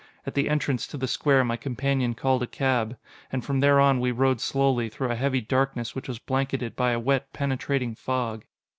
At the entrance to the square my companion called a cab; and from there on we rode slowly, through a heavy darkness which was blanketed by a wet, penetrating fog.